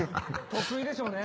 得意でしょうね。